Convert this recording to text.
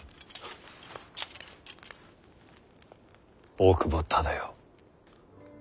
大久保忠世。